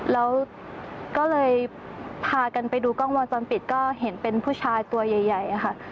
แล้วก็เลยพากันไปดูกล้องวงจรปิดก็เห็นเป็นผู้ชายตัวใหญ่ค่ะ